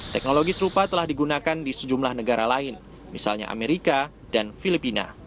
teknologi serupa telah digunakan di sejumlah negara lain misalnya amerika dan filipina